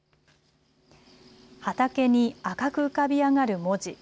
畑に赤く浮かび上がる文字。